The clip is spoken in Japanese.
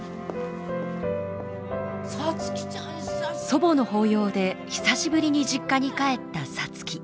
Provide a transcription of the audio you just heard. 祖母の法要で久しぶりに実家に帰った皐月。